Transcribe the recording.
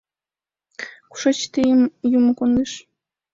— Кушеч тыйым юмо кондыш?